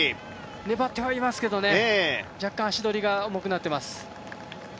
粘ってはいますけど、若干足取りが重くなっています。